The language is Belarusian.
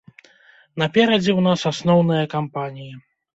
Наперадзе ў нас асноўная кампанія.